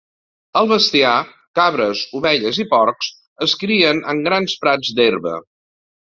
El bestiar, cabres, ovelles i porcs es crien en grans prats d'herba.